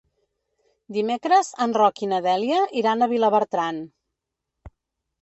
Dimecres en Roc i na Dèlia iran a Vilabertran.